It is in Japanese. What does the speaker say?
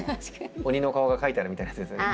鬼の顔が書いてあるみたいなやつですよね。